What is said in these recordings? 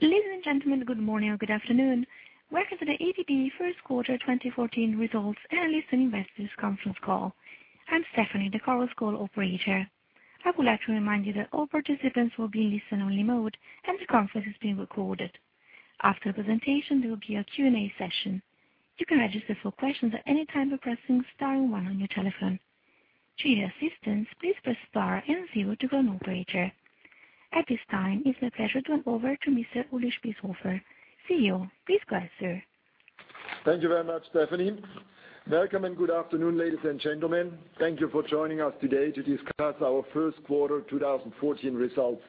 Ladies and gentlemen, good morning or good afternoon. Welcome to the ABB first quarter 2014 results analyst and investors conference call. I'm Stephanie, the conference call operator. I would like to remind you that all participants will be in listen-only mode, and the conference is being recorded. After the presentation, there will be a Q&A session. You can register for questions at any time by pressing star one on your telephone. To hear assistance, please press star and zero to go to an operator. At this time, it's my pleasure to hand over to Mr. Ulrich Spiesshofer, CEO. Please go ahead, sir. Thank you very much, Stephanie. Welcome, and good afternoon, ladies and gentlemen. Thank you for joining us today to discuss our first quarter 2014 results.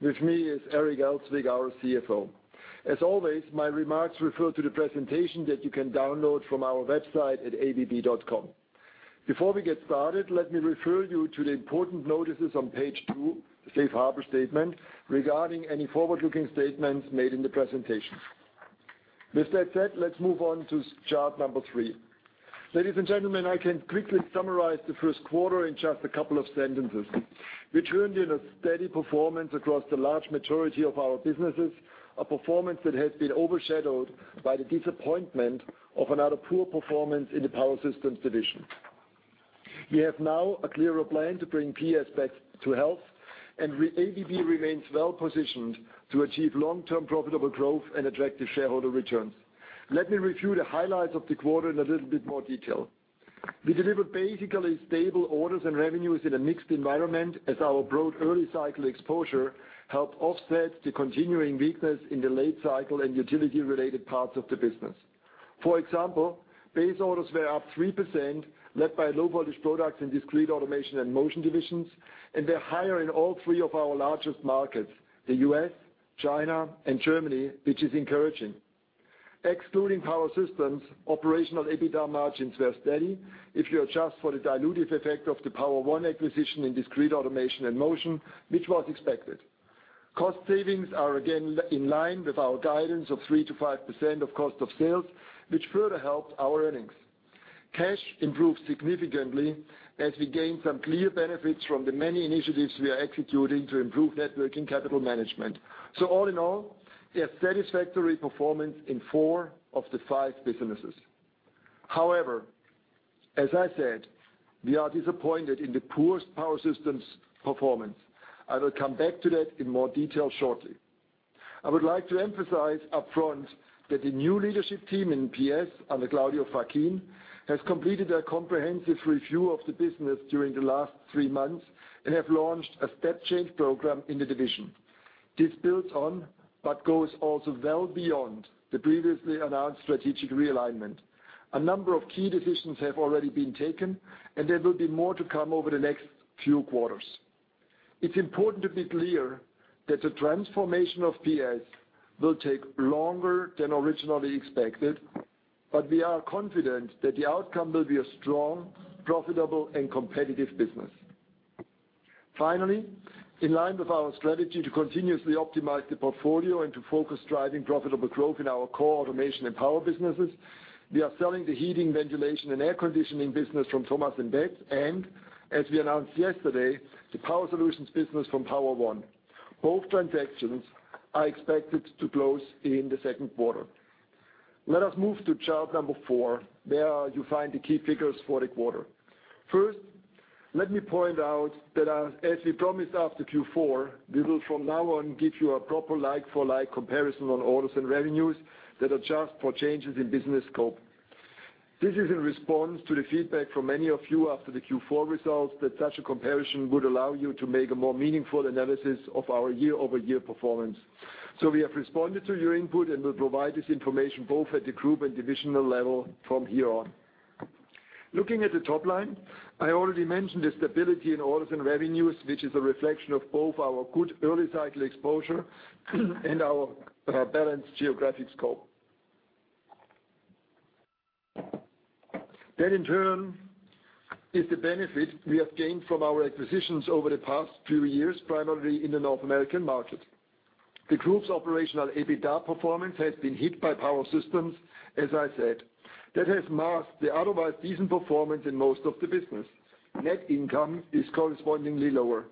With me is Eric Elzvik, our CFO. As always, my remarks refer to the presentation that you can download from our website at abb.com. Before we get started, let me refer you to the important notices on page two, the safe harbor statement regarding any forward-looking statements made in the presentation. With that said, let's move on to chart number three. Ladies and gentlemen, I can quickly summarize the first quarter in just a couple of sentences. We turned in a steady performance across the large majority of our businesses, a performance that has been overshadowed by the disappointment of another poor performance in the Power Systems division. ABB remains well-positioned to achieve long-term profitable growth and attractive shareholder returns. Let me review the highlights of the quarter in a little bit more detail. We delivered basically stable orders and revenues in a mixed environment as our broad early cycle exposure helped offset the continuing weakness in the late cycle and utility-related parts of the business. For example, base orders were up 3%, led by Low Voltage Products in Discrete Automation and Motion divisions, and they're higher in all three of our largest markets, the U.S., China, and Germany, which is encouraging. Excluding Power Systems, operational EBITDA margins were steady if you adjust for the dilutive effect of the Power-One acquisition in Discrete Automation and Motion, which was expected. Cost savings are again in line with our guidance of 3%-5% of cost of sales, which further helped our earnings. Cash improved significantly as we gained some clear benefits from the many initiatives we are executing to improve net working capital management. All in all, we have satisfactory performance in four of the five businesses. However, as I said, we are disappointed in the poor Power Systems performance. I will come back to that in more detail shortly. I would like to emphasize upfront that the new leadership team in PS under Claudio Facchin has completed a comprehensive review of the business during the last three months and have launched a step change program in the division. This builds on but goes also well beyond the previously announced strategic realignment. A number of key decisions have already been taken. There will be more to come over the next few quarters. It's important to be clear that the transformation of PS will take longer than originally expected. We are confident that the outcome will be a strong, profitable, and competitive business. Finally, in line with our strategy to continuously optimize the portfolio and to focus driving profitable growth in our core automation and power businesses, we are selling the heating, ventilation, and air conditioning business from Thomas & Betts and, as we announced yesterday, the power solutions business from Power-One. Both transactions are expected to close in the second quarter. Let us move to chart number four, where you find the key figures for the quarter. First, let me point out that as we promised after Q4, we will from now on give you a proper like-for-like comparison on orders and revenues that adjust for changes in business scope. This is in response to the feedback from many of you after the Q4 results that such a comparison would allow you to make a more meaningful analysis of our year-over-year performance. We have responded to your input and will provide this information both at the group and divisional level from here on. Looking at the top line, I already mentioned the stability in orders and revenues, which is a reflection of both our good early cycle exposure and our balanced geographic scope. That in turn is the benefit we have gained from our acquisitions over the past few years, primarily in the North American market. The group's operational EBITDA performance has been hit by Power Systems, as I said. That has masked the otherwise decent performance in most of the business. Net income is correspondingly lower.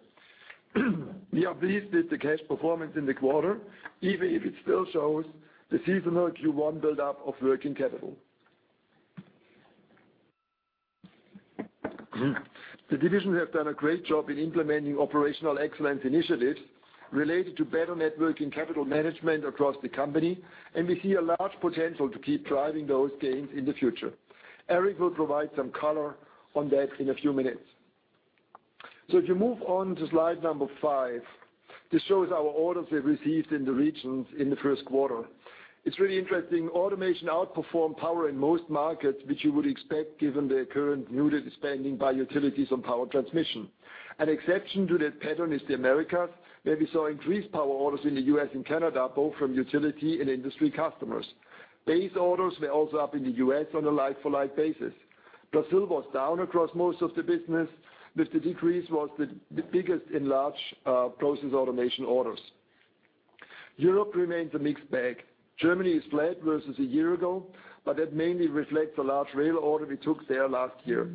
We are pleased with the cash performance in the quarter, even if it still shows the seasonal Q1 buildup of working capital. The divisions have done a great job in implementing operational excellence initiatives related to better networking capital management across the company. We see a large potential to keep driving those gains in the future. Eric will provide some color on that in a few minutes. If you move on to slide number five, this shows our orders we have received in the regions in the first quarter. It's really interesting. Automation outperformed power in most markets, which you would expect given the current muted spending by utilities on power transmission. An exception to that pattern is the Americas, where we saw increased power orders in the U.S. and Canada, both from utility and industry customers. Base orders were also up in the U.S. on a like-for-like basis. Brazil was down across most of the business, with the decrease was the biggest in large Process Automation orders. Europe remains a mixed bag. Germany is flat versus a year ago. That mainly reflects a large rail order we took there last year.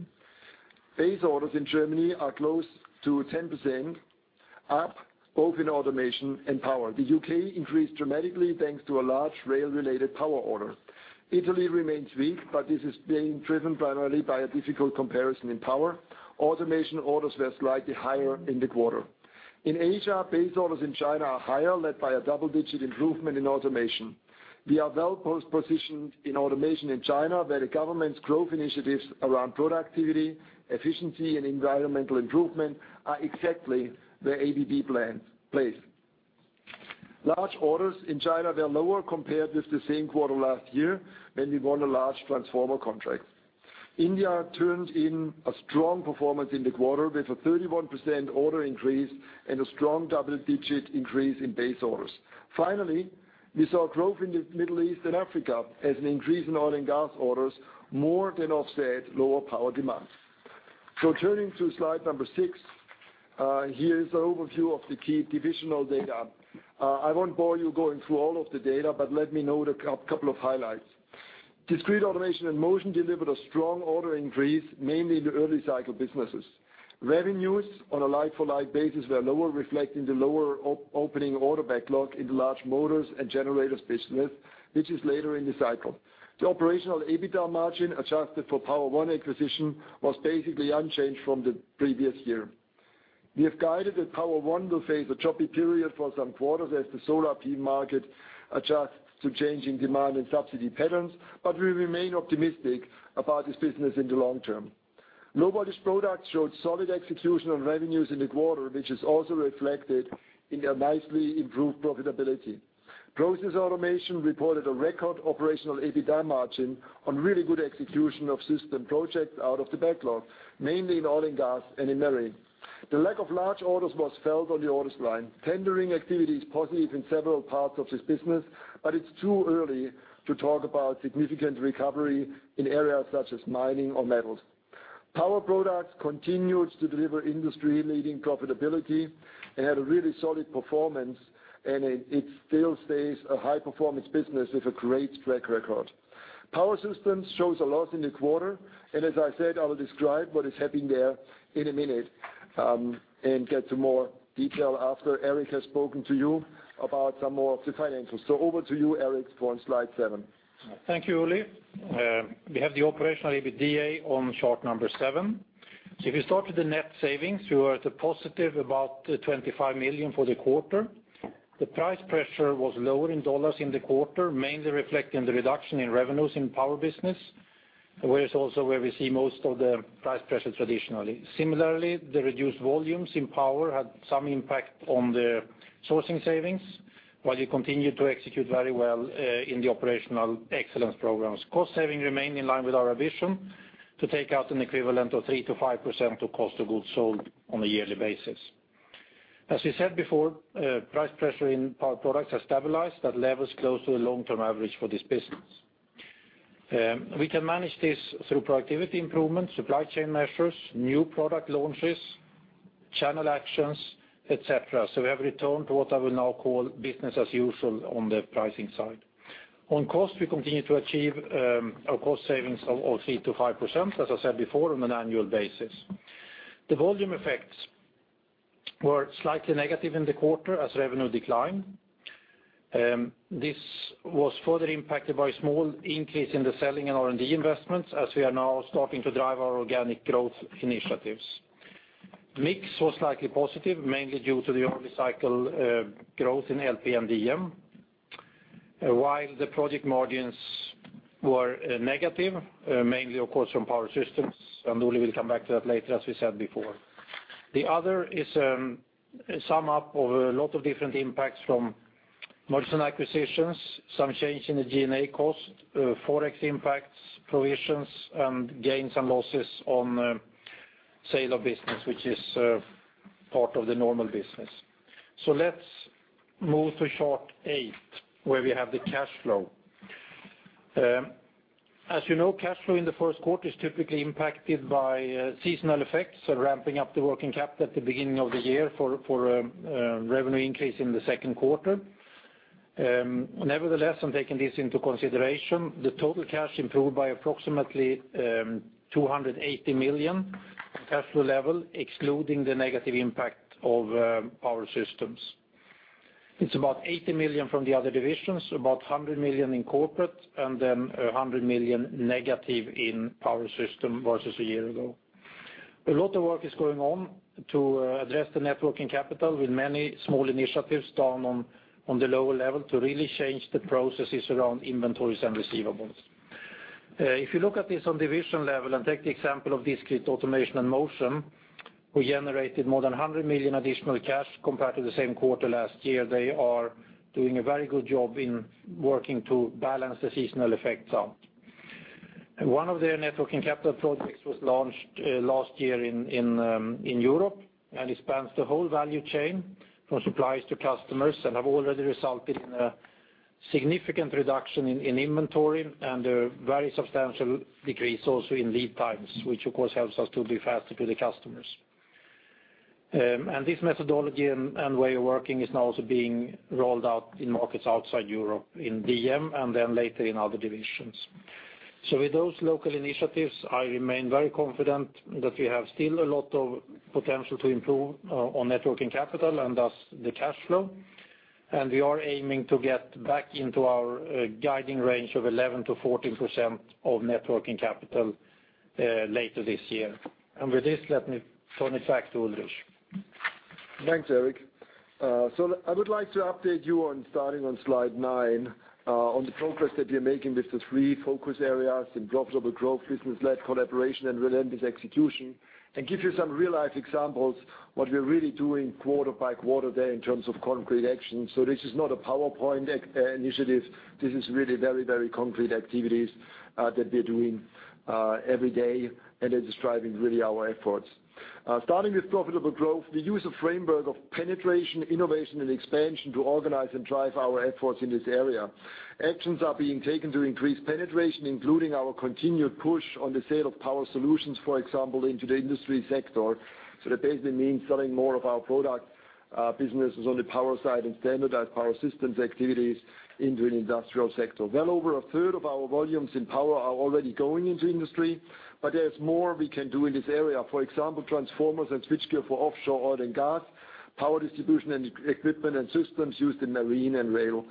Base orders in Germany are close to 10% up, both in automation and power. The U.K. increased dramatically thanks to a large rail-related power order. Italy remains weak. This is being driven primarily by a difficult comparison in power. Automation orders were slightly higher in the quarter. In Asia, base orders in China are higher, led by a double-digit improvement in automation. We are well positioned in automation in China, where the government's growth initiatives around productivity, efficiency, and environmental improvement are exactly where ABB plays. Large orders in China were lower compared with the same quarter last year when we won a large transformer contract. India turned in a strong performance in the quarter with a 31% order increase and a strong double-digit increase in base orders. Finally, we saw growth in the Middle East and Africa as an increase in oil and gas orders more than offset lower power demands. Turning to slide number six, here is the overview of the key divisional data. I won't bore you going through all of the data, but let me note a couple of highlights. Discrete Automation and Motion delivered a strong order increase, mainly in the early-cycle businesses. Revenues on a like-for-like basis were lower, reflecting the lower opening order backlog in large motors and generators business, which is later in the cycle. The operational EBITDA margin, adjusted for Power-One acquisition, was basically unchanged from the previous year. We have guided that Power-One will face a choppy period for some quarters as the solar PV market adjusts to changing demand and subsidy patterns. We remain optimistic about this business in the long term. Robot products showed solid execution on revenues in the quarter, which is also reflected in a nicely improved profitability. Process Automation reported a record operational EBITDA margin on really good execution of system projects out of the backlog, mainly in oil and gas and in marine. The lack of large orders was felt on the orders line. Tendering activity is positive in several parts of this business. It's too early to talk about significant recovery in areas such as mining or metals. Power Products continued to deliver industry-leading profitability and had a really solid performance. It still stays a high-performance business with a great track record. Power Systems shows a loss in the quarter. As I said, I will describe what is happening there in a minute. Get to more detail after Eric has spoken to you about some more of the financials. Over to you, Eric, for slide seven. Thank you, Uli. We have the operational EBITDA on chart number seven. If you start with the net savings, we were at a positive about $25 million for the quarter. The price pressure was lower in dollars in the quarter, mainly reflecting the reduction in revenues in Power business, where it's also where we see most of the price pressure traditionally. Similarly, the reduced volumes in Power had some impact on the sourcing savings, while we continued to execute very well in the operational excellence programs. Cost saving remained in line with our vision to take out an equivalent of 3%-5% of cost of goods sold on a yearly basis. As we said before, price pressure in Power Products has stabilized at levels close to the long-term average for this business. We can manage this through productivity improvements, supply chain measures, new product launches, channel actions, et cetera. We have returned to what I will now call business as usual on the pricing side. On cost, we continue to achieve our cost savings of 3%-5%, as I said before, on an annual basis. The volume effects were slightly negative in the quarter as revenue declined. This was further impacted by a small increase in the selling and R&D investments as we are now starting to drive our organic growth initiatives. Mix was slightly positive, mainly due to the early cycle growth in LP and DM. While the project margins were negative, mainly, of course, from Power Systems, and Uli will come back to that later, as we said before. The other is a sum up of a lot of different impacts from mergers and acquisitions, some change in the G&A cost, Forex impacts, provisions, and gains and losses on sale of business, which is part of the normal business. Let's move to chart eight, where we have the cash flow. As you know, cash flow in the first quarter is typically impacted by seasonal effects, ramping up the working capital at the beginning of the year for a revenue increase in the second quarter. Nevertheless, on taking this into consideration, the total cash improved by approximately $280 million on cash flow level, excluding the negative impact of Power Systems. It's about $80 million from the other divisions, about $100 million in corporate, and then $100 million negative in Power Systems versus a year ago. A lot of work is going on to address the net working capital with many small initiatives done on the lower level to really change the processes around inventories and receivables. If you look at this on division level and take the example of Discrete Automation and Motion, we generated more than $100 million additional cash compared to the same quarter last year. They are doing a very good job in working to balance the seasonal effects out. One of their networking capital projects was launched last year in Europe, it spans the whole value chain from suppliers to customers and have already resulted in a significant reduction in inventory and a very substantial decrease also in lead times, which of course helps us to be faster to the customers. This methodology and way of working is now also being rolled out in markets outside Europe, in DM, later in other divisions. With those local initiatives, I remain very confident that we have still a lot of potential to improve our net working capital and thus the cash flow. We are aiming to get back into our guiding range of 11%-14% of net working capital later this year. With this, let me turn it back to Ulrich. Thanks, Eric. I would like to update you on starting on slide 9, on the progress that we are making with the three focus areas in profitable growth, business-led collaboration, and relentless execution, and give you some real-life examples, what we are really doing quarter by quarter there in terms of concrete action. This is not a PowerPoint initiative. This is really very concrete activities that we're doing every day. It is driving really our efforts. Starting with profitable growth, we use a framework of penetration, innovation, and expansion to organize and drive our efforts in this area. Actions are being taken to increase penetration, including our continued push on the sale of power solutions, for example, into the industry sector. That basically means selling more of our product businesses on the power side and standardized Power Systems activities into an industrial sector. Well over a third of our volumes in power are already going into industry, there's more we can do in this area. For example, transformers and switchgear for offshore oil and gas, power distribution and equipment and systems used in marine and rail.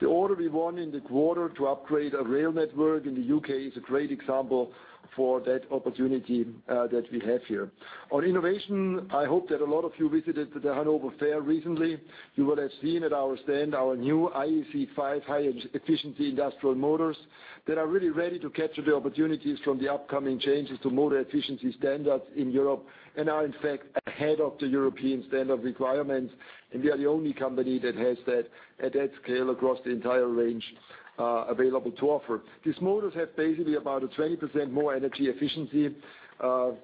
The order we won in the quarter to upgrade a rail network in the U.K. is a great example for that opportunity that we have here. On innovation, I hope that a lot of you visited the Hannover Messe recently. You will have seen at our stand our new IE5 high-efficiency industrial motors that are really ready to capture the opportunities from the upcoming changes to motor efficiency standards in Europe and are, in fact, ahead of the European standard requirements. We are the only company that has that at that scale across the entire range available to offer. These motors have basically about a 20% more energy efficiency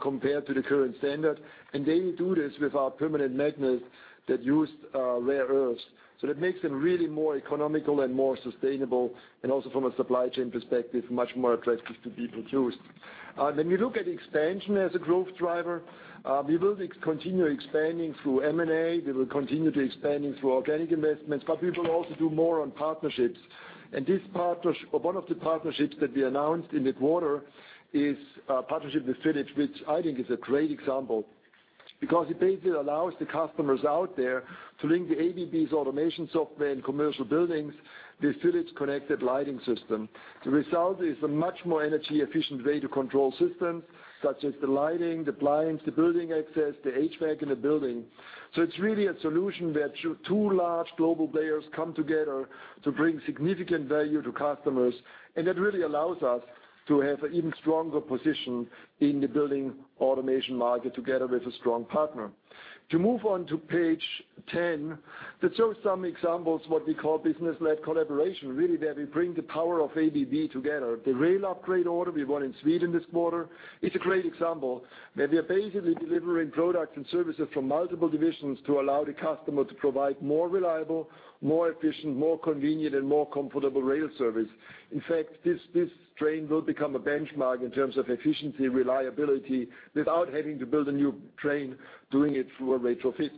compared to the current standard, they do this with our permanent magnets that don't use rare earths. That makes them really more economical and more sustainable, and also from a supply chain perspective, much more attractive to be produced. When we look at expansion as a growth driver, we will continue expanding through M&A. We will continue to expanding through organic investments, we will also do more on partnerships. One of the partnerships that we announced in the quarter is a partnership with Philips, which I think is a great example because it basically allows the customers out there to link the ABB's automation software in commercial buildings, the Philips connected lighting system. The result is a much more energy efficient way to control systems such as the lighting, the blinds, the building access, the HVAC in the building. It's really a solution where two large global players come together to bring significant value to customers. That really allows us to have an even stronger position in the building automation market together with a strong partner. To move on to page 10, that shows some examples what we call business-led collaboration, really where we bring the power of ABB together. The rail upgrade order we won in Sweden this quarter is a great example, where we are basically delivering products and services from multiple divisions to allow the customer to provide more reliable, more efficient, more convenient, and more comfortable rail service. In fact, this train will become a benchmark in terms of efficiency, reliability, without having to build a new train, doing it through a retrofit.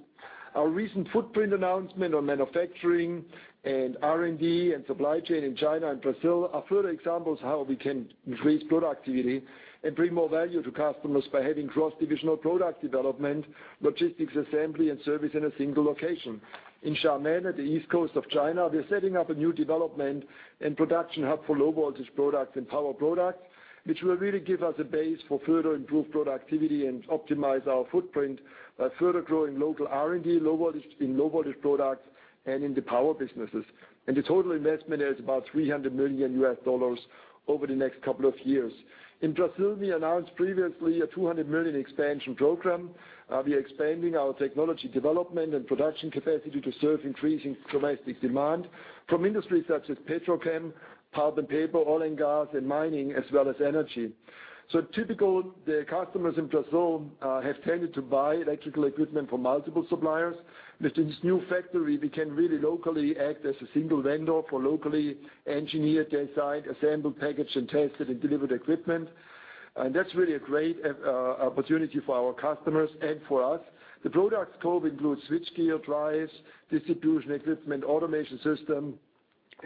Our recent footprint announcement on manufacturing and R&D and supply chain in China and Brazil are further examples how we can increase productivity and bring more value to customers by having cross-divisional product development, logistics, assembly, and service in a single location. In Xiamen, at the east coast of China, we are setting up a new development and production hub for Low Voltage Products and Power Products, which will really give us a base for further improved productivity and optimize our footprint by further growing local R&D in Low Voltage Products and in the power businesses. The total investment is about $300 million over the next couple of years. In Brazil, we announced previously a $200 million expansion program. We are expanding our technology development and production capacity to serve increasing domestic demand from industries such as petrol chem, pulp and paper, oil and gas, and mining, as well as energy. Typical, the customers in Brazil have tended to buy electrical equipment from multiple suppliers. With this new factory, we can really locally act as a single vendor for locally engineered, designed, assembled, packaged, and tested and delivered equipment. That's really a great opportunity for our customers and for us. The product scope includes switchgear, drives, distribution equipment, automation system,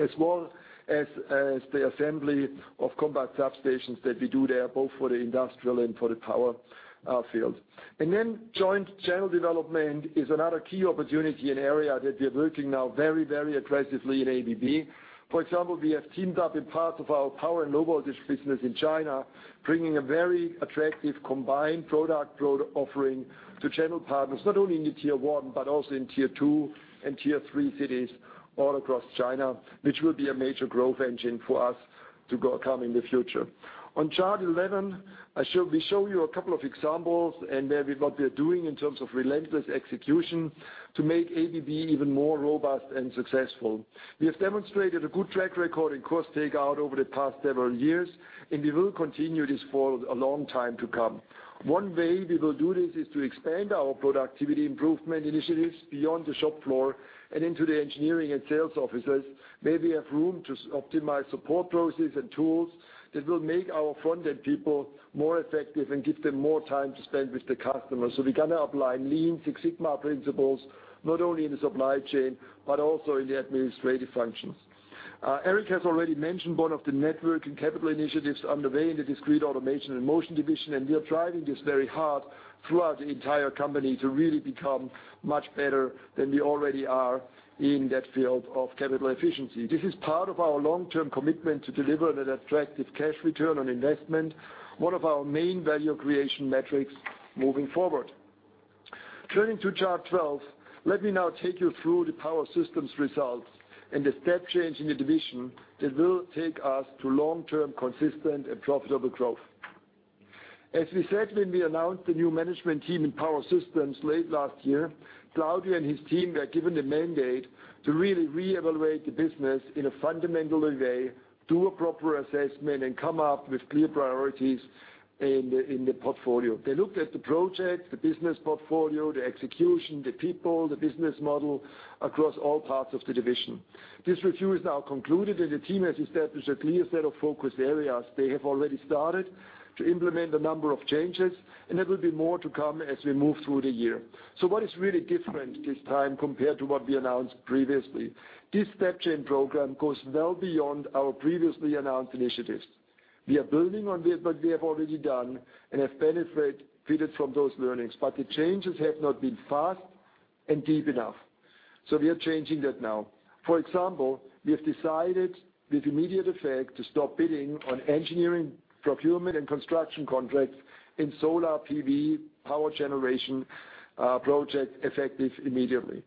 as well as the assembly of compact substations that we do there, both for the industrial and for the power field. Joint channel development is another key opportunity and area that we are working now very aggressively in ABB. For example, we have teamed up in parts of our power and Low Voltage Products business in China, bringing a very attractive combined product offering to channel partners, not only in the tier 1, but also in tier 2 and tier 3 cities all across China, which will be a major growth engine for us to come in the future. On chart 11, we show you a couple of examples and what we are doing in terms of relentless execution to make ABB even more robust and successful. We have demonstrated a good track record in cost takeout over the past several years, and we will continue this for a long time to come. One way we will do this is to expand our productivity improvement initiatives beyond the shop floor and into the engineering and sales offices, where we have room to optimize support processes and tools that will make our front-end people more effective and give them more time to spend with the customers. We are going to apply Lean Six Sigma principles, not only in the supply chain, but also in the administrative functions. Eric has already mentioned one of the network and capital initiatives underway in the Discrete Automation and Motion division, we are driving this very hard throughout the entire company to really become much better than we already are in that field of capital efficiency. This is part of our long-term commitment to deliver that attractive cash return on investment, one of our main value creation metrics moving forward. Turning to chart 12, let me now take you through the Power Systems results and the step change in the division that will take us to long-term, consistent, and profitable growth. As we said when we announced the new management team in Power Systems late last year, Claudio and his team were given the mandate to really reevaluate the business in a fundamental way, do a proper assessment, and come up with clear priorities in the portfolio. They looked at the projects, the business portfolio, the execution, the people, the business model across all parts of the division. This review is now concluded, and the team has established a clear set of focus areas. They have already started to implement a number of changes, and there will be more to come as we move through the year. What is really different this time compared to what we announced previously? This step change program goes well beyond our previously announced initiatives. We are building on what we have already done and have benefited from those learnings, but the changes have not been fast and deep enough. We are changing that now. For example, we have decided with immediate effect to stop bidding on engineering, procurement, and construction contracts in solar PV power generation project effective immediately.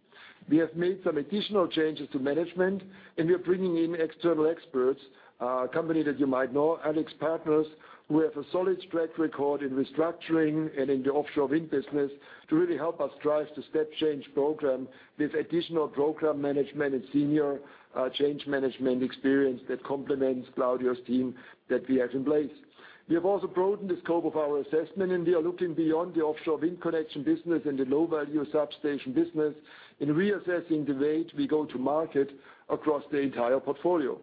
We have made some additional changes to management, and we are bringing in external experts, a company that you might know, AlixPartners, who have a solid track record in restructuring and in the offshore wind business to really help us drive the step change program with additional program management and senior change management experience that complements Claudio's team that we have in place. We have also broadened the scope of our assessment, and we are looking beyond the offshore wind connection business and the low-value substation business in reassessing the way we go to market across the entire portfolio.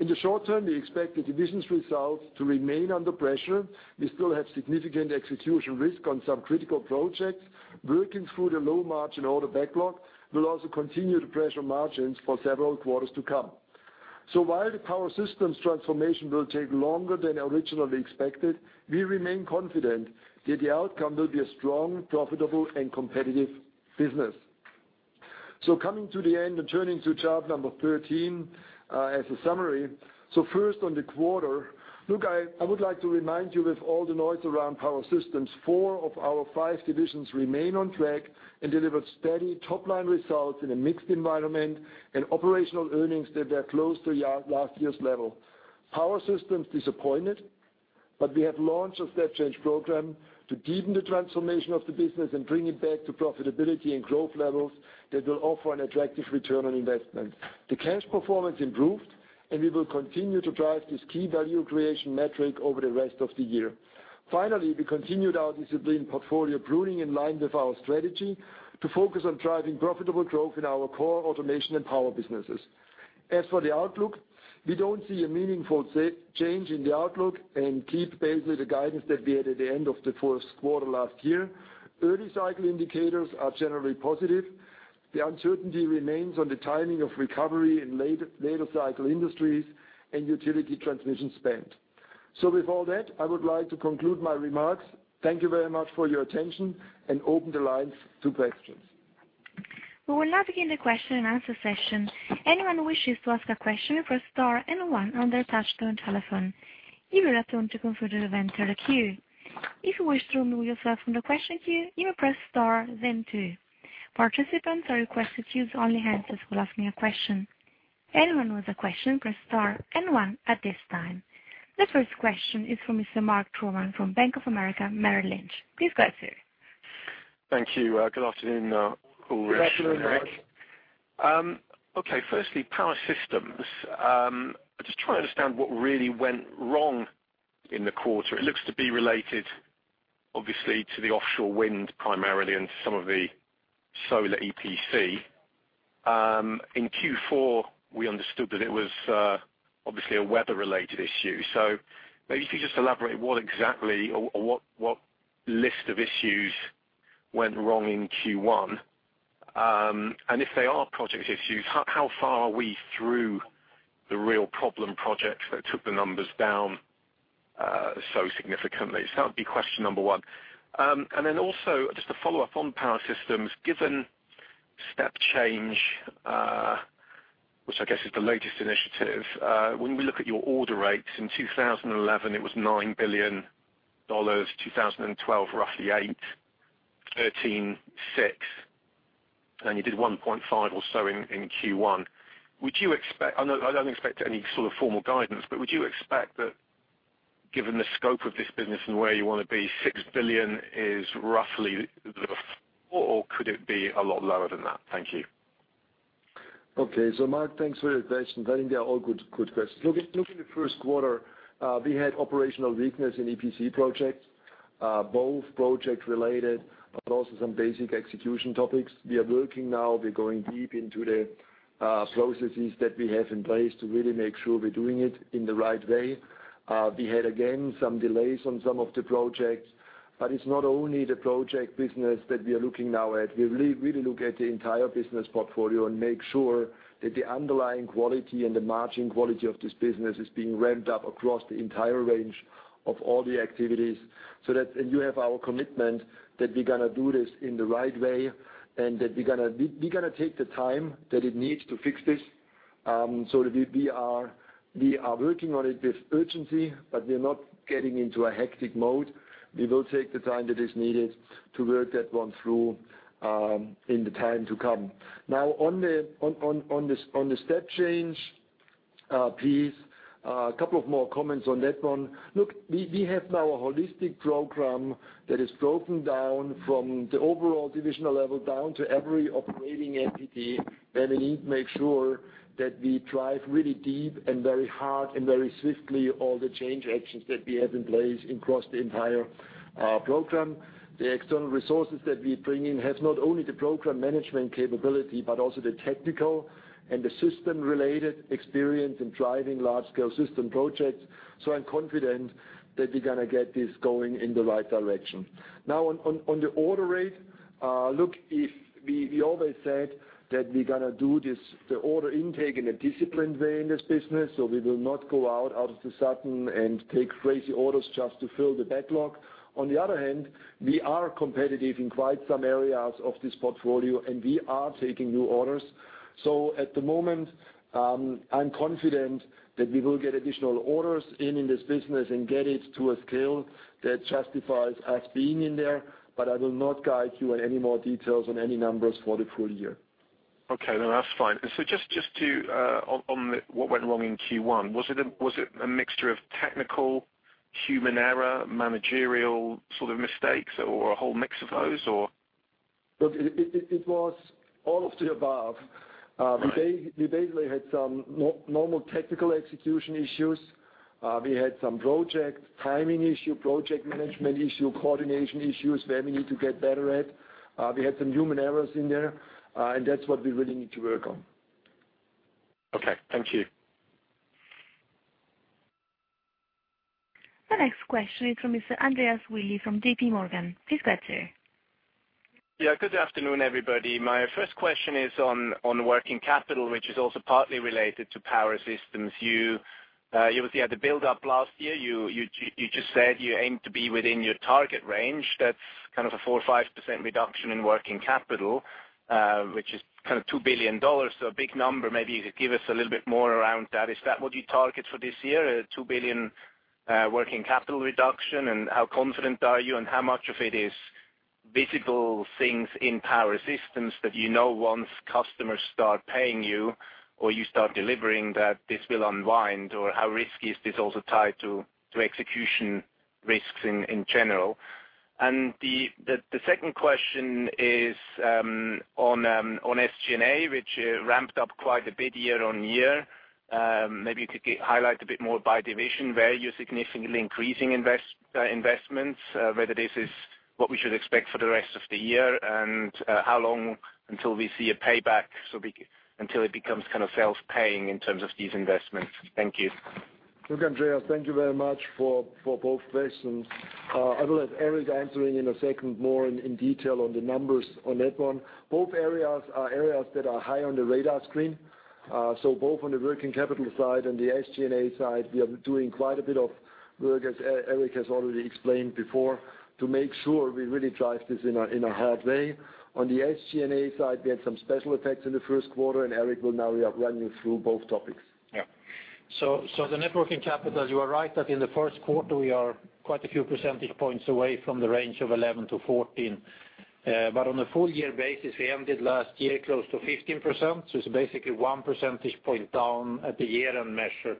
In the short term, we expect the division's results to remain under pressure. We still have significant execution risk on some critical projects. Working through the low-margin order backlog will also continue to pressure margins for several quarters to come. While the Power Systems transformation will take longer than originally expected, we remain confident that the outcome will be a strong, profitable, and competitive business. Coming to the end and turning to chart number 13 as a summary. First on the quarter, look, I would like to remind you with all the noise around Power Systems, four of our five divisions remain on track and delivered steady top-line results in a mixed environment and operational earnings that were close to last year's level. Power Systems disappointed, but we have launched a step change program to deepen the transformation of the business and bring it back to profitability and growth levels that will offer an attractive return on investment. The cash performance improved, and we will continue to drive this key value creation metric over the rest of the year. Finally, we continued our disciplined portfolio pruning in line with our strategy to focus on driving profitable growth in our core automation and power businesses. As for the outlook, we don't see a meaningful change in the outlook and keep basically the guidance that we had at the end of the first quarter last year. Early cycle indicators are generally positive. The uncertainty remains on the timing of recovery in later cycle industries and utility transmission spend. With all that, I would like to conclude my remarks. Thank you very much for your attention and open the lines to questions. We will now begin the question and answer session. Anyone who wishes to ask a question, press star and one on their touch-tone telephone. You will then be confirmed in the event enter queue. If you wish to remove yourself from the question queue, you may press star then two. Participants are requested to use only hands that are asking a question. Anyone with a question, press star and one at this time. The first question is from Mr. Mark Troman from Bank of America Merrill Lynch. Please go ahead, sir. Thank you. Good afternoon, Ulrich and Eric. Good afternoon, Mark. Okay. Firstly, Power Systems. I'm just trying to understand what really went wrong in the quarter. It looks to be related, obviously, to the offshore wind primarily and some of the solar EPC. In Q4, we understood that it was obviously a weather-related issue. Maybe if you could just elaborate what exactly or what list of issues went wrong in Q1. If they are project issues, how far are we through the real problem projects that took the numbers down so significantly? That would be question number 1. Also, just to follow up on Power Systems, given Step Change, which I guess is the latest initiative, when we look at your order rates in 2011, it was $9 billion. 2012, roughly $8 billion. 2013, $6 billion. You did $1.5 billion or so in Q1. I don't expect any sort of formal guidance, would you expect that given the scope of this business and where you want to be, $6 billion is roughly the or could it be a lot lower than that? Thank you. Okay. Mark, thanks for the question. I think they are all good questions. Look in the first quarter, we had operational weakness in EPC projects Both project related, but also some basic execution topics. We are working now, we're going deep into the processes that we have in place to really make sure we're doing it in the right way. We had, again, some delays on some of the projects, it's not only the project business that we are looking now at. We really look at the entire business portfolio and make sure that the underlying quality and the margin quality of this business is being ramped up across the entire range of all the activities. You have our commitment that we're going to do this in the right way and that we're going to take the time that it needs to fix this. We are working on it with urgency, we're not getting into a hectic mode. We will take the time that is needed to work that one through in the time to come. On the Step Change piece, a couple of more comments on that one. Look, we have now a holistic program that is broken down from the overall divisional level down to every operating entity, where we need to make sure that we drive really deep and very hard and very swiftly all the change actions that we have in place across the entire program. The external resources that we bring in have not only the program management capability, but also the technical and the system-related experience in driving large-scale system projects. I'm confident that we're going to get this going in the right direction. On the order rate. Look, we always said that we're going to do the order intake in a disciplined way in this business, we will not go out, all of the sudden and take crazy orders just to fill the backlog. On the other hand, we are competitive in quite some areas of this portfolio, and we are taking new orders. At the moment, I'm confident that we will get additional orders in in this business and get it to a scale that justifies us being in there, but I will not guide you on any more details on any numbers for the full year. Okay, no, that's fine. Just on what went wrong in Q1, was it a mixture of technical, human error, managerial sort of mistakes, or a whole mix of those, or? Look, it was all of the above. Right. We basically had some normal technical execution issues. We had some project timing issue, project management issue, coordination issues where we need to get better at. We had some human errors in there. That's what we really need to work on. Okay. Thank you. The next question is from Mr. Andreas Willi from JPMorgan. Please go ahead, sir. Yeah. Good afternoon, everybody. My first question is on working capital, which is also partly related to Power Systems. You had the buildup last year. You just said you aim to be within your target range. That's kind of a 4% or 5% reduction in working capital, which is $2 billion. A big number. Maybe you could give us a little bit more around that. Is that what you target for this year, a $2 billion working capital reduction, and how confident are you, and how much of it is visible things in Power Systems that you know once customers start paying you or you start delivering, that this will unwind, or how risky is this also tied to execution risks in general? The second question is on SG&A, which ramped up quite a bit year-on-year. Maybe you could highlight a bit more by division where you're significantly increasing investments, whether this is what we should expect for the rest of the year, and how long until we see a payback, so until it becomes kind of self-paying in terms of these investments. Thank you. Look, Andreas, thank you very much for both questions. I will let Eric answer in a second more in detail on the numbers on that one. Both areas are areas that are high on the radar screen. Both on the working capital side and the SG&A side, we are doing quite a bit of work, as Eric has already explained before, to make sure we really drive this in a hard way. On the SG&A side, we had some special effects in the first quarter. Eric will now be running through both topics. The networking capital, you are right that in the first quarter, we are quite a few percentage points away from the range of 11%-14%. On a full year basis, we ended last year close to 15%, so it's basically one percentage point down at the year-end measure.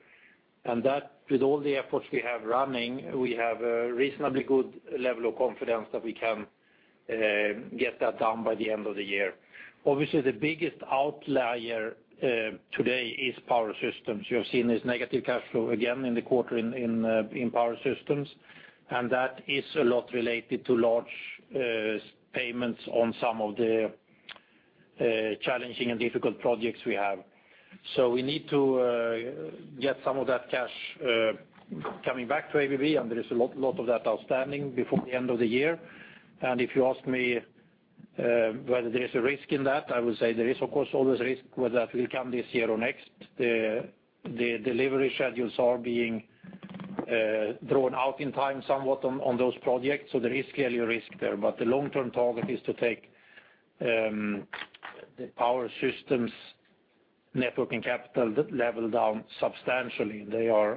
That, with all the efforts we have running, we have a reasonably good level of confidence that we can get that down by the end of the year. Obviously, the biggest outlier today is Power Systems. You have seen this negative cash flow again in the quarter in Power Systems. That is a lot related to large payments on some of the challenging and difficult projects we have. We need to get some of that cash coming back to ABB. There is a lot of that outstanding before the end of the year. If you ask me whether there's a risk in that, I would say there is, of course, always risk whether that will come this year or next. The delivery schedules are being drawn out in time somewhat on those projects. There is clearly a risk there. The long-term target is to take the Power Systems networking capital level down substantially. They are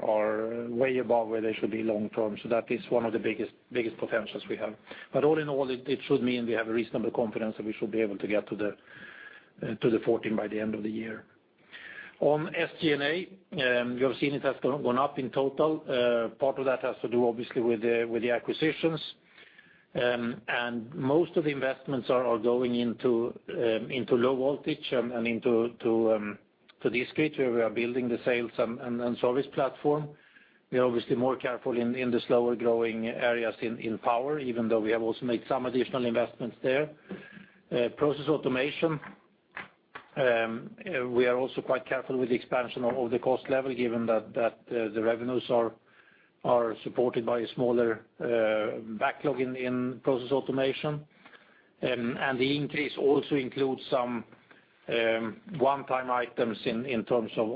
way above where they should be long term. That is one of the biggest potentials we have. All in all, it should mean we have a reasonable confidence that we should be able to get to the 14% by the end of the year. On SG&A, you have seen it has gone up in total. Part of that has to do, obviously, with the acquisitions. Most of the investments are going into Low Voltage and into Discrete, where we are building the sales and service platform. We are obviously more careful in the slower-growing areas in power, even though we have also made some additional investments there. Process Automation, we are also quite careful with the expansion of the cost level, given that the revenues are supported by a smaller backlog in Process Automation. The increase also includes some one-time items in terms of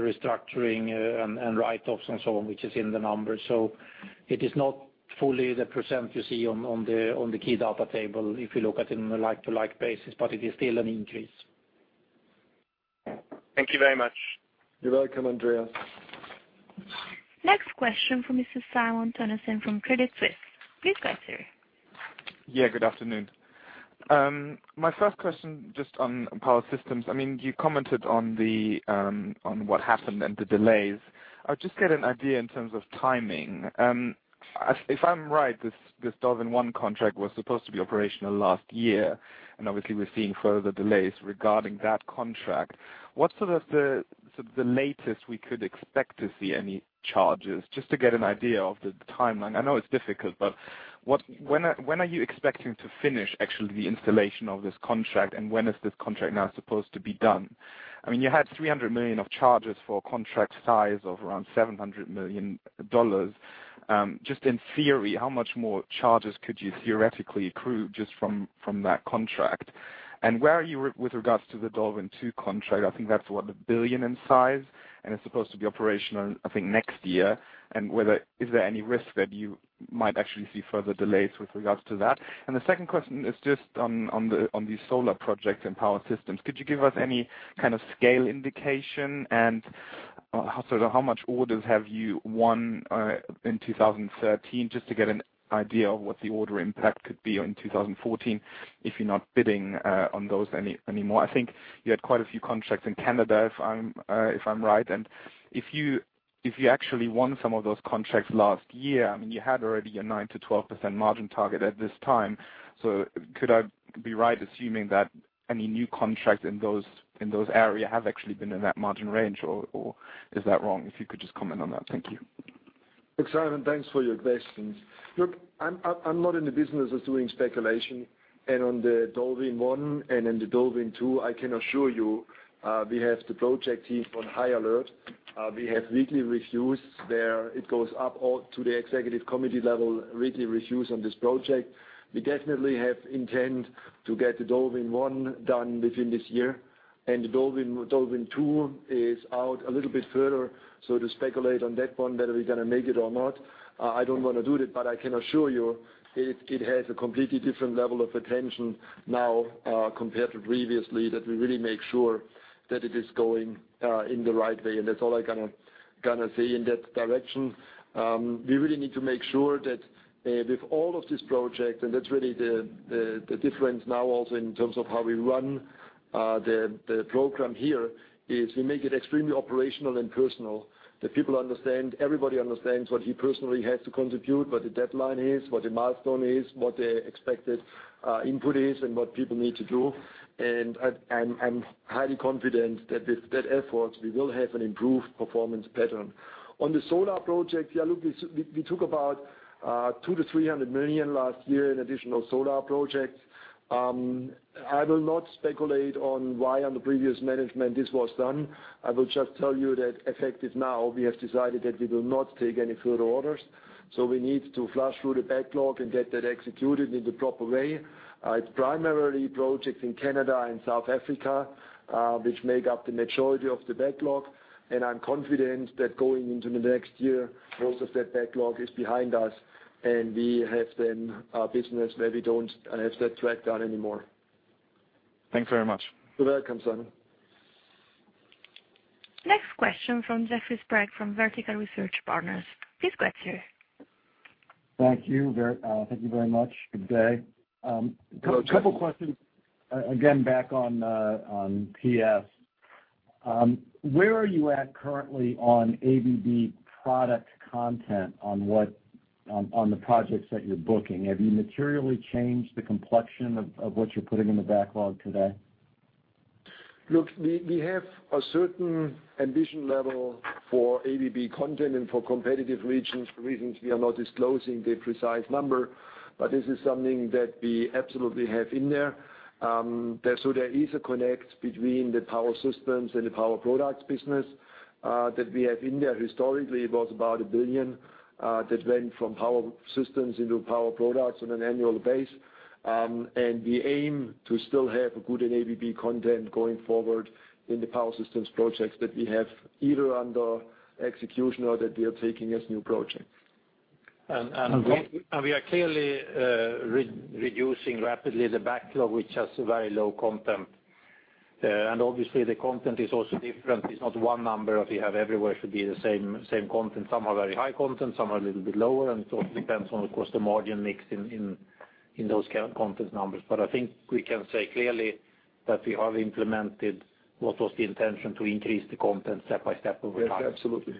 restructuring and write-offs and so on, which is in the numbers. It is not fully the percent you see on the key data table if you look at it in a like-to-like basis, but it is still an increase. Thank you very much. You're welcome, Andreas. Next question from Mr. Simon Toennessen from Credit Suisse. Please go ahead, sir. Yeah, good afternoon. My first question, just on Power Systems. You commented on what happened and the delays. Just to get an idea in terms of timing. If I'm right, this DolWin1 contract was supposed to be operational last year, and obviously, we're seeing further delays regarding that contract. What's the latest we could expect to see any charges, just to get an idea of the timeline? I know it's difficult, but when are you expecting to finish actually the installation of this contract, and when is this contract now supposed to be done? You had $300 million of charges for a contract size of around $700 million. Just in theory, how much more charges could you theoretically accrue just from that contract? And where are you with regards to the DolWin2 contract? I think that's what, a $1 billion in size, and it's supposed to be operational, I think, next year. Is there any risk that you might actually see further delays with regards to that? The second question is just on the solar projects and Power Systems. Could you give us any kind of scale indication, and how much orders have you won in 2013, just to get an idea of what the order impact could be in 2014 if you're not bidding on those anymore? I think you had quite a few contracts in Canada, if I'm right. If you actually won some of those contracts last year, you had already a 9%-12% margin target at this time. So could I be right assuming that any new contracts in those areas have actually been in that margin range, or is that wrong? If you could just comment on that. Thank you. Simon, thanks for your questions. Look, I'm not in the business of doing speculation. On the DolWin1 and on the DolWin2, I can assure you we have the project team on high alert. We have weekly reviews there. It goes up to the Executive Committee level, weekly reviews on this project. We definitely have intent to get DolWin1 done within this year. DolWin2 is out a little bit further. So to speculate on that one, whether we're going to make it or not, I don't want to do that. But I can assure you it has a completely different level of attention now compared to previously, that we really make sure that it is going in the right way, and that's all I can say in that direction. We really need to make sure that with all of these projects, and that's really the difference now also in terms of how we run the program here, is we make it extremely operational and personal. The people understand, everybody understands what he personally has to contribute, what the deadline is, what the milestone is, what the expected input is, and what people need to do. I'm highly confident that with that effort, we will have an improved performance pattern. On the solar project, yeah, look, we took about $200 million-$300 million last year in additional solar projects. I will not speculate on why on the previous management this was done. I will just tell you that effective now, we have decided that we will not take any further orders. So we need to flush through the backlog and get that executed in the proper way. It's primarily projects in Canada and South Africa, which make up the majority of the backlog. I'm confident that going into the next year, most of that backlog is behind us, and we have then a business where we don't have that drag down anymore. Thanks very much. You're welcome, Simon. Next question from Jeffrey Sprague from Vertical Research Partners. Please go ahead, sir. Thank you very much. Good day. Good day. A couple questions, again, back on PS. Where are you at currently on ABB product content on the projects that you're booking? Have you materially changed the complexion of what you're putting in the backlog today? Look, we have a certain ambition level for ABB content and for competitive reasons, we are not disclosing the precise number. This is something that we absolutely have in there. There is a connect between the Power Systems and the Power Products business that we have in there. Historically, it was about $1 billion that went from Power Systems into Power Products on an annual base. We aim to still have a good ABB content going forward in the Power Systems projects that we have either under execution or that we are taking as new projects. We are clearly reducing rapidly the backlog, which has very low content. The content is also different. It is not one number that we have everywhere should be the same content. Some are very high content, some are a little bit lower, and it also depends on, of course, the margin mix in those content numbers. I think we can say clearly that we have implemented what was the intention to increase the content step by step over time. Yes, absolutely.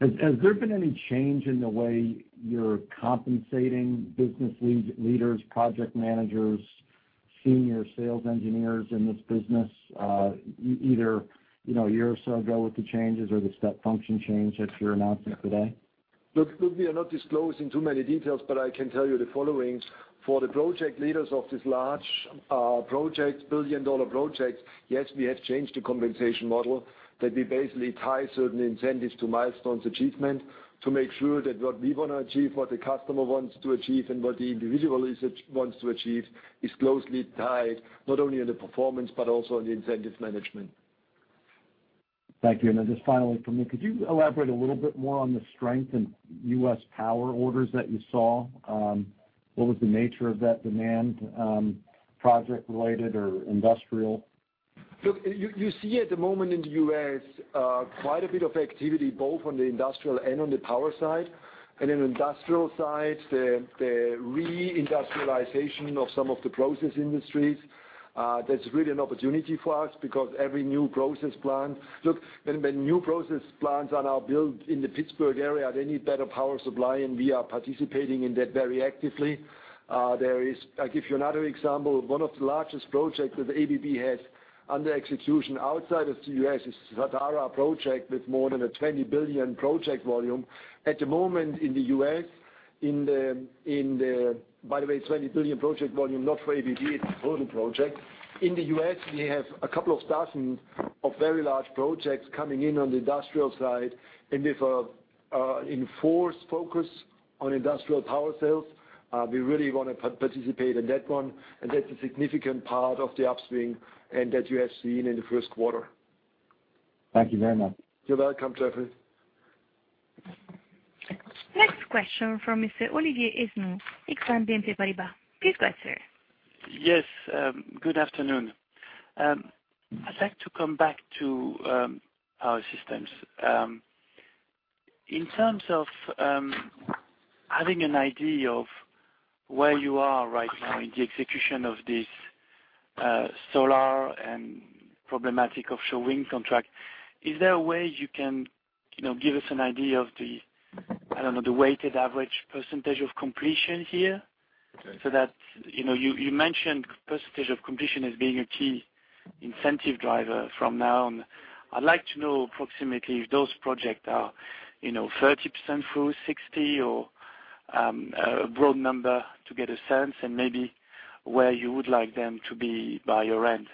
Has there been any change in the way you are compensating business leaders, project managers, senior sales engineers in this business, either a year or so ago with the changes or the step function change that you are announcing today? We are not disclosing too many details, I can tell you the following. For the project leaders of this large project, billion-dollar project, yes, we have changed the compensation model that we basically tie certain incentives to milestones achievement to make sure that what we want to achieve, what the customer wants to achieve, and what the individual wants to achieve, is closely tied not only in the performance, but also in the incentive management. Thank you. Just finally from me, could you elaborate a little bit more on the strength in U.S. power orders that you saw? What was the nature of that demand, project-related or industrial? You see at the moment in the U.S., quite a bit of activity, both on the industrial and on the power side. In industrial side, the re-industrialization of some of the process industries, that's really an opportunity for us because every new process plant. When new process plants are now built in the Pittsburgh area, they need better power supply, and we are participating in that very actively. I'll give you another example. One of the largest projects that ABB has under execution outside of the U.S. is Sadara project with more than a $20 billion project volume. At the moment in the U.S. By the way, $20 billion project volume, not for ABB, it's a total project. In the U.S., we have a couple of dozens of very large projects coming in on the industrial side. With an enforced focus on industrial power sales, we really want to participate in that one, and that's a significant part of the upswing and that you have seen in the first quarter. Thank you very much. You're welcome, Jeffrey. Next question from Mr. Olivier Esnou, Exane BNP Paribas. Please go ahead, sir. Yes, good afternoon. I'd like to come back to Power Systems. In terms of having an idea of where you are right now in the execution of this solar and problematic offshore wind contract, is there a way you can give us an idea of the, I don't know, the weighted average percentage of completion here? Okay. That, you mentioned percentage of completion as being a key incentive driver from now on. I'd like to know approximately if those project are 30% through, 60%, or a broad number to get a sense and maybe where you would like them to be by your end.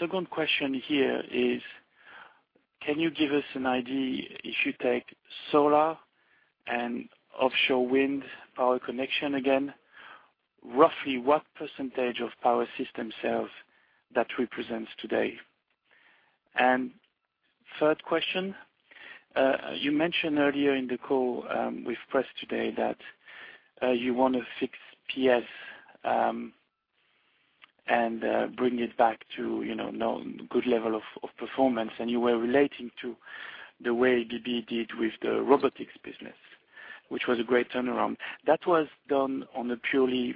Second question here is, can you give us an idea if you take solar and offshore wind power connection again, roughly what percentage of Power Systems sales that represents today? Third question, you mentioned earlier in the call with press today that you want to fix PS and bring it back to good level of performance, and you were relating to the way ABB did with the robotics business, which was a great turnaround. That was done on a purely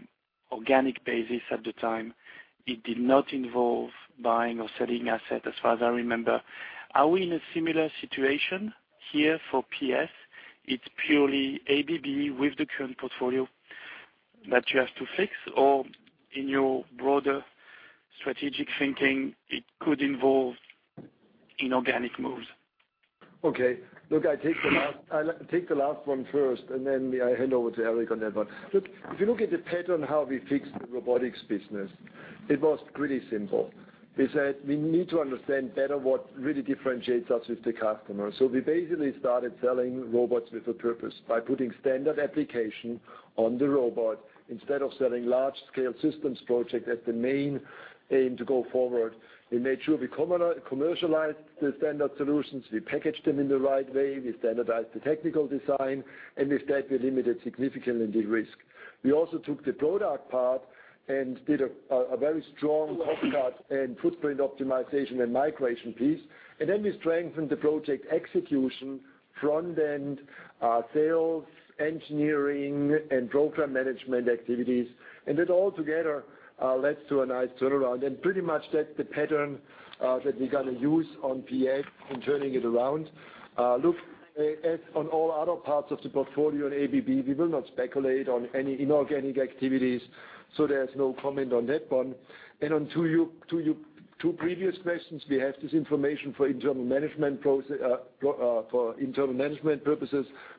organic basis at the time. It did not involve buying or selling asset as far as I remember. Are we in a similar situation here for PS? It's purely ABB with the current portfolio that you have to fix or in your broader strategic thinking, it could involve inorganic moves? Okay. Look, I'll take the last one first, then I hand over to Eric on that one. Look, if you look at the pattern how we fixed the robotics business, it was pretty simple. We said we need to understand better what really differentiates us with the customer. We basically started selling robots with a purpose by putting standard application on the robot instead of selling large-scale systems project as the main aim to go forward. We made sure we commercialized the standard solutions. We packaged them in the right way. We standardized the technical design, with that, we limited significantly the risk. We also took the product part and did a very strong cost cut and footprint optimization and migration piece. Then we strengthened the project execution front end, sales, engineering, and program management activities. That all together led to a nice turnaround. Pretty much that's the pattern that we're going to use on PS in turning it around. Look, as on all other parts of the portfolio at ABB, we will not speculate on any inorganic activities, there's no comment on that one. On two previous questions, we have this information for internal management purposes,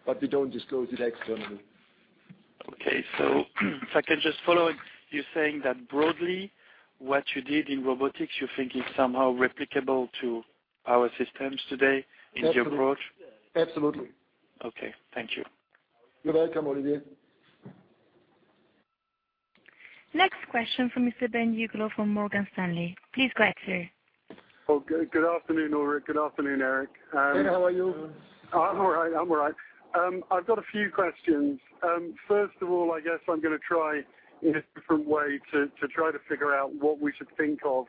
but we don't disclose it externally. Okay. If I can just follow, you're saying that broadly, what you did in robotics, you think is somehow replicable to Power Systems today in the approach? Absolutely. Okay. Thank you. You're welcome, Olivier. Next question from Mr. Ben Uglow from Morgan Stanley. Please go ahead, sir. Good afternoon, Ulrich. Good afternoon, Eric. Ben, how are you? I'm all right. I've got a few questions. First of all, I guess I'm going to try in a different way to try to figure out what we should think of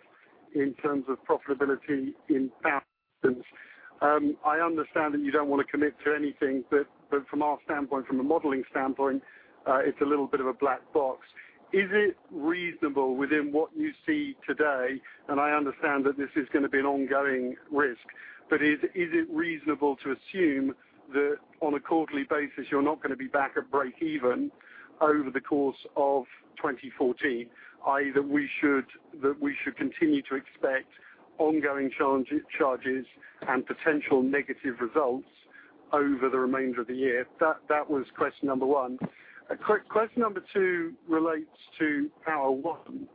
in terms of profitability in Power Systems. I understand that you don't want to commit to anything, but from our standpoint, from a modeling standpoint, it's a little bit of a black box. Is it reasonable within what you see today, and I understand that this is going to be an ongoing risk? Is it reasonable to assume that on a quarterly basis, you're not going to be back at breakeven over the course of 2014? Either that we should continue to expect ongoing charges and potential negative results over the remainder of the year. That was question number one. Question number two relates to Power-One.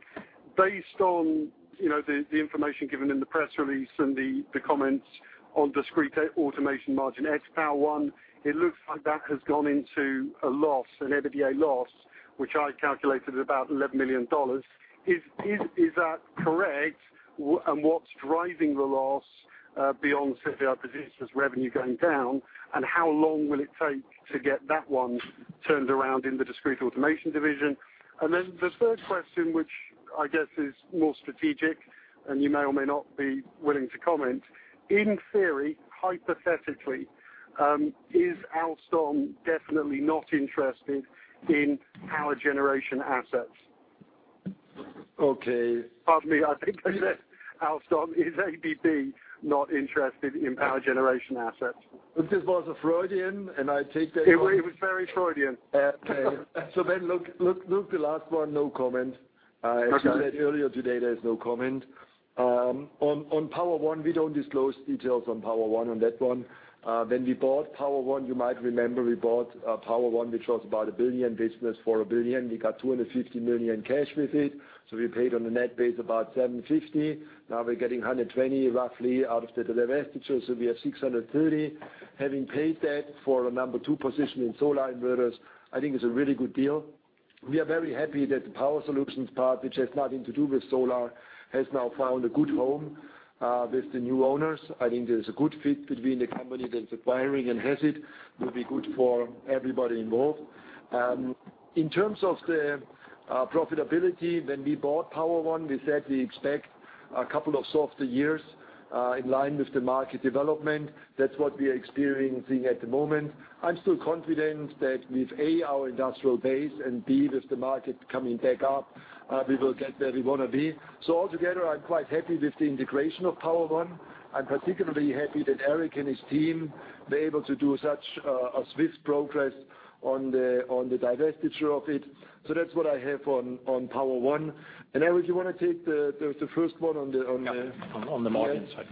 Based on the information given in the press release and the comments on Discrete Automation margin ex Power-One, it looks like that has gone into an EBITDA loss, which I calculated at about $11 million. Is that correct? What's driving the loss beyond simply our division's revenue going down, and how long will it take to get that one turned around in the Discrete Automation division? The third question, which I guess is more strategic and you may or may not be willing to comment. In theory, hypothetically, is Alstom definitely not interested in power generation assets? Okay. Pardon me, I think I said Alstom. Is ABB not interested in power generation assets? This was a Freudian, and I take that. It was very Freudian. Okay. Look, the last one, no comment. Okay. As you said earlier today, there's no comment. On Power-One, we don't disclose details on Power-One on that one. When we bought Power-One, you might remember we bought Power-One, which was about a $1 billion business for $1 billion. We got $250 million cash with it, so we paid on a net base about $750 million. Now we're getting $120 million roughly out of the divestiture, so we have $630 million. Having paid that for a number 2 position in solar inverters, I think it's a really good deal. We are very happy that the power solutions part, which has nothing to do with solar, has now found a good home with the new owners. I think there's a good fit between the company that's acquiring and has it, will be good for everybody involved. In terms of the profitability, when we bought Power-One, we said we expect a couple of softer years in line with the market development. That's what we are experiencing at the moment. I'm still confident that with, A, our industrial base and B, with the market coming back up, we will get where we want to be. Altogether, I'm quite happy with the integration of Power-One. I'm particularly happy that Eric and his team were able to do such a swift progress on the divestiture of it. That's what I have on Power-One. Eric, do you want to take the first one on the Yeah. On the margin side.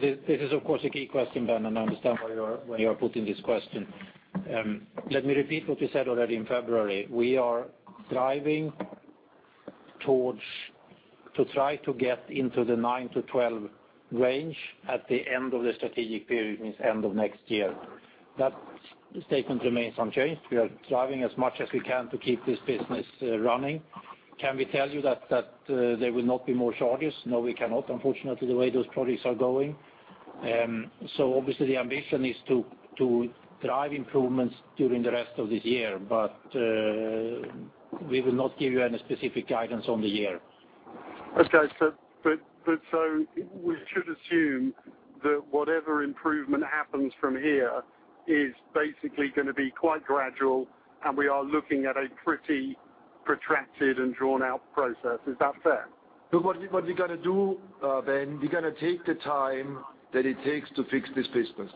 This is of course, a key question, Ben, and I understand why you are putting this question. Let me repeat what we said already in February. We are driving to try to get into the nine to 12 range at the end of the strategic period, means end of next year. That statement remains unchanged. We are driving as much as we can to keep this business running. Can we tell you that there will not be more charges? No, we cannot, unfortunately, the way those projects are going. Obviously the ambition is to drive improvements during the rest of this year, but we will not give you any specific guidance on the year. Okay. We should assume that whatever improvement happens from here is basically going to be quite gradual, and we are looking at a pretty protracted and drawn-out process. Is that fair? What we're going to do, Ben, we're going to take the time that it takes to fix this business.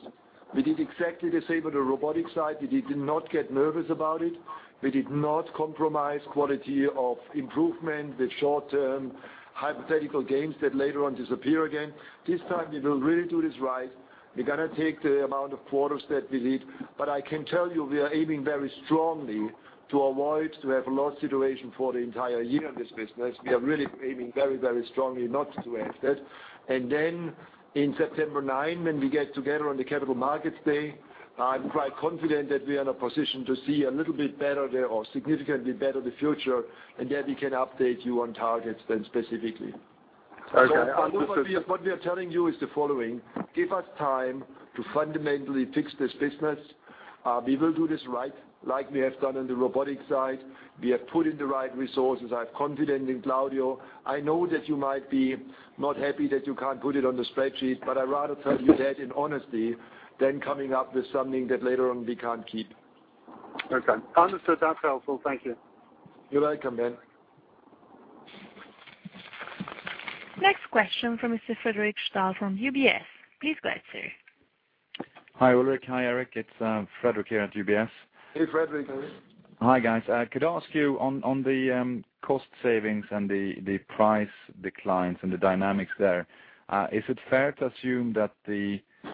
We did exactly the same on the robotics side. We did not get nervous about it. We did not compromise quality of improvement with short-term hypothetical gains that later on disappear again. This time, we will really do this right. We're going to take the amount of quarters that we need. I can tell you, we are aiming very strongly to avoid to have a loss situation for the entire year in this business. We are really aiming very strongly not to have that. Then in September 9, when we get together on the Capital Markets Day, I'm quite confident that we are in a position to see a little bit better there or significantly better the future, and then we can update you on targets then specifically. Okay. What we are telling you is the following, give us time to fundamentally fix this business. We will do this right, like we have done on the robotics side. We have put in the right resources. I have confidence in Claudio. I know that you might be not happy that you can't put it on the spreadsheet, but I'd rather tell you that in honesty than coming up with something that later on we can't keep. Okay. Understood. That's helpful. Thank you. You're welcome, Ben. Next question from Mr. Fredric Stahl from UBS. Please go ahead, sir. Hi, Ulrich. Hi, Eric. It's Fredric here at UBS. Hey, Fredric. Hi. Hi, guys. Could I ask you on the cost savings and the price declines and the dynamics there, is it fair to assume that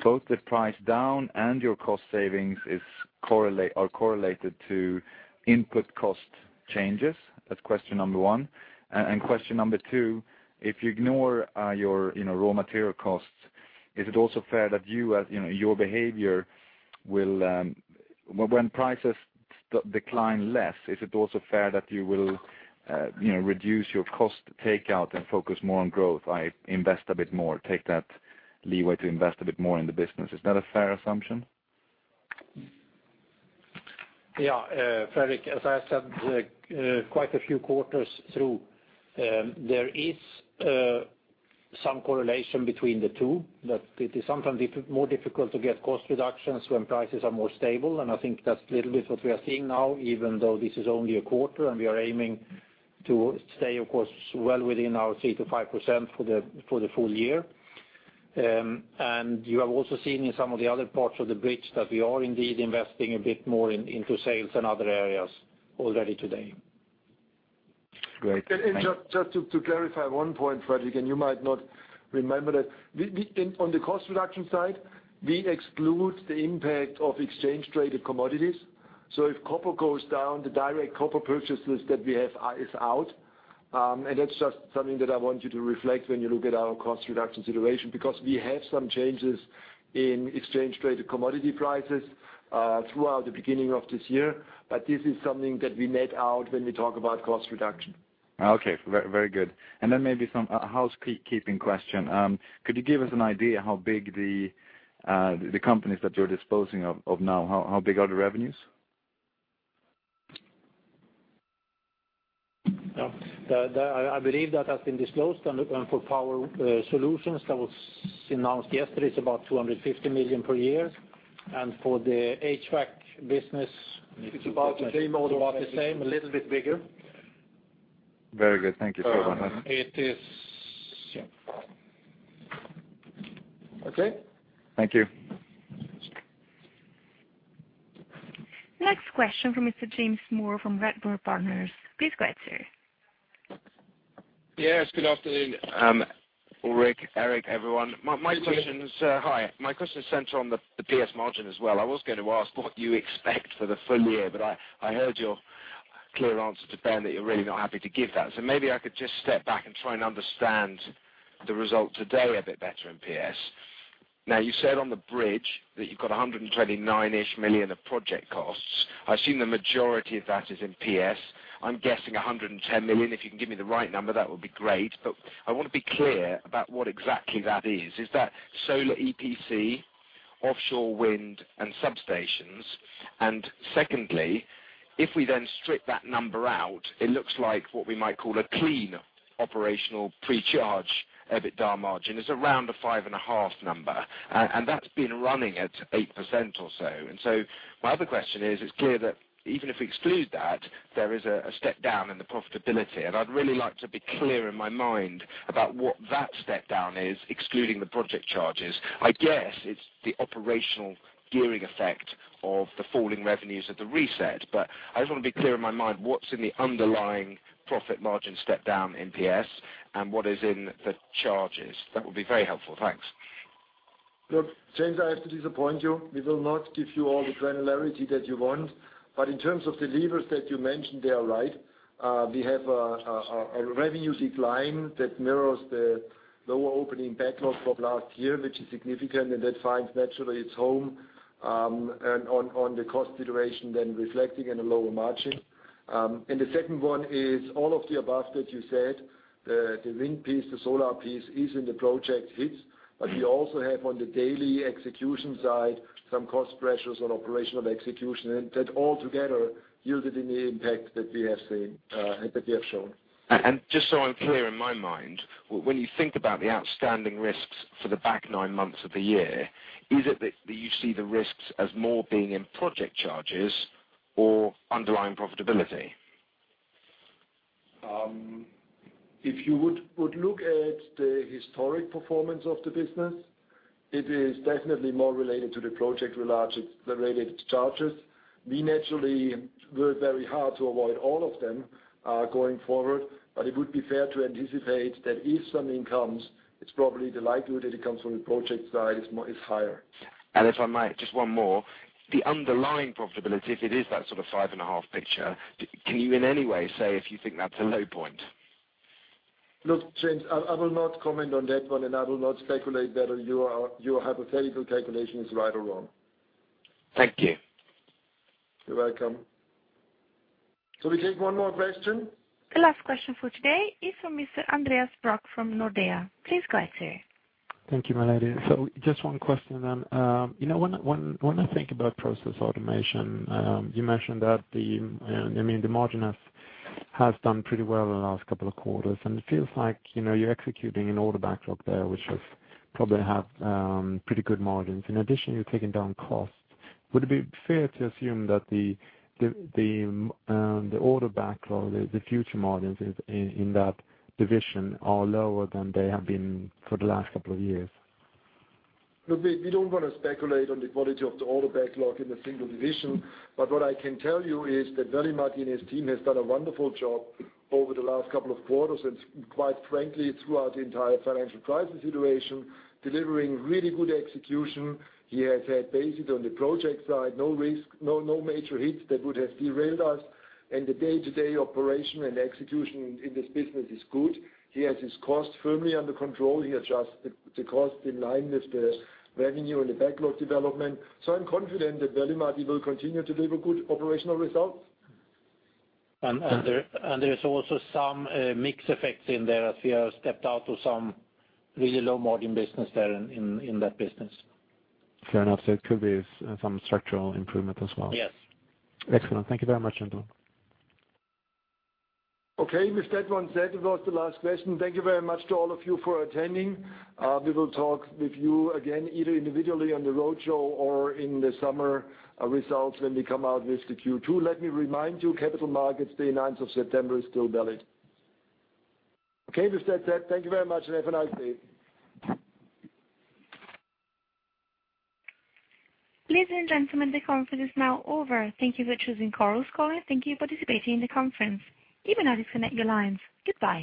both the price down and your cost savings are correlated to input cost changes? That's question number 1. Question number 2, if you ignore your raw material costs, is it also fair that your behavior when prices decline less, is it also fair that you will reduce your cost takeout and focus more on growth, invest a bit more, take that leeway to invest a bit more in the business? Is that a fair assumption? Yeah. Fredric, as I said, quite a few quarters through, there is some correlation between the two, but it is sometimes more difficult to get cost reductions when prices are more stable. I think that's little bit what we are seeing now, even though this is only a quarter and we are aiming to stay, of course, well within our 3%-5% for the full year. You have also seen in some of the other parts of the bridge that we are indeed investing a bit more into sales and other areas already today. Great. Thank you. Just to clarify one point, Fredric, you might not remember that on the cost reduction side, we exclude the impact of exchange traded commodities. If copper goes down, the direct copper purchases that we have is out. That's just something that I want you to reflect when you look at our cost reduction situation, because we have some changes in exchange traded commodity prices, throughout the beginning of this year. This is something that we net out when we talk about cost reduction. Okay. Very good. Then maybe some housekeeping question. Could you give us an idea how big the companies that you're disposing of now, how big are the revenues? I believe that has been disclosed, for Power Solutions that was announced yesterday. It's about $250 million per year. For the HVAC business. It's about the same. A little bit bigger. Very good. Thank you very much. It is. Yeah. Okay. Thank you. Next question from Mr. James Moore from Redburn Partners. Please go ahead, sir. Yes, good afternoon. Ulrich, Eric, everyone. Good evening. Hi. My question is centered on the PS margin as well. I was going to ask what you expect for the full year. I heard your clear answer to Ben that you're really not happy to give that. Maybe I could just step back and try and understand the result today a bit better in PS. You said on the bridge that you've got $129 million of project costs. I assume the majority of that is in PS. I'm guessing $110 million. If you can give me the right number, that would be great. I want to be clear about what exactly that is. Is that solar EPC, offshore wind, and substations? Secondly, if we then strip that number out, it looks like what we might call a clean operational pre-charge EBITDA margin is around a 5.5% number. That's been running at 8% or so. My other question is, it's clear that even if we exclude that, there is a step down in the profitability. I'd really like to be clear in my mind about what that step down is, excluding the project charges. I'd guess it's the operational gearing effect of the falling revenues of the reset. I just want to be clear in my mind what's in the underlying profit margin step down in PS, and what is in the charges. That would be very helpful. Thanks. Look, James, I have to disappoint you. We will not give you all the granularity that you want. In terms of the levers that you mentioned there, right. We have a revenue decline that mirrors the lower opening backlog from last year, which is significant, and that finds naturally its home, and on the cost situation then reflecting in a lower margin. The second one is all of the above that you said, the wind piece, the solar piece is in the project hits, but we also have on the daily execution side, some cost pressures on operational execution, and that all together yielded in the impact that we have shown. Just so I'm clear in my mind, when you think about the outstanding risks for the back nine months of the year, is it that you see the risks as more being in project charges or underlying profitability? If you would look at the historic performance of the business, it is definitely more related to the project, the related charges. We naturally work very hard to avoid all of them going forward. It would be fair to anticipate that if something comes, it's probably the likelihood that it comes from the project side is higher. If I might, just one more. The underlying profitability, if it is that sort of five and a half picture, can you in any way say if you think that's a low point? Look, James, I will not comment on that one, and I will not speculate whether your hypothetical calculation is right or wrong. Thank you. You're welcome. Shall we take one more question? The last question for today is from Mr. Andreas Brock from Nordea. Please go ahead, sir. Thank you, my lady. Just one question then. When I think about Process Automation, you mentioned that the margin has done pretty well in the last couple of quarters, and it feels like you're executing an order backlog there, which probably have pretty good margins. In addition, you're taking down costs. Would it be fair to assume that the order backlog, the future margins in that division are lower than they have been for the last couple of years? Look, we don't want to speculate on the quality of the order backlog in a single division. What I can tell you is that Veli-Matti and his team has done a wonderful job over the last couple of quarters, and quite frankly, throughout the entire financial crisis situation, delivering really good execution. He has had basically on the project side, no risk, no major hits that would have derailed us. The day-to-day operation and execution in this business is good. He has his costs firmly under control. He adjusts the cost in line with the revenue and the backlog development. I'm confident that Veli-Matti will continue to deliver good operational results. There's also some mix effects in there as we have stepped out of some really low margin business there in that business. Fair enough. It could be some structural improvement as well. Yes. Excellent. Thank you very much, gentlemen. With that one said, that was the last question. Thank you very much to all of you for attending. We will talk with you again, either individually on the roadshow or in the summer results when we come out with the Q2. Let me remind you, Capital Markets Day, the 9th of September is still valid. With that said, thank you very much and have a nice day. Ladies and gentlemen, the conference is now over. Thank you for choosing Chorus Call, and thank you for participating in the conference. You may now disconnect your lines. Goodbye